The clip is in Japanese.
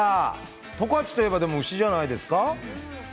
十勝といえば牛じゃないですか？